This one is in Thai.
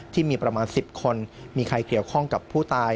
ที่มีประมาณ๑๐คนมีใครเกี่ยวข้องกับผู้ตาย